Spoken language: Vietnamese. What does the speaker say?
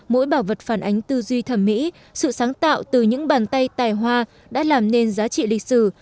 mỗi bảo vật phản ánh tư duy thẩm mỹ sự sáng tạo từ những bàn tay tài hoa đã làm nên giá trị lịch sử